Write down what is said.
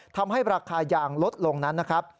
ทำให้ราคายางลดลงนั้นนะครับ